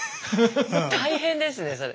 大変ですねそれ。